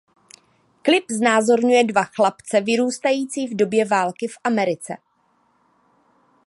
Klip znázorňuje dva chlapce vyrůstající v době války v Americe.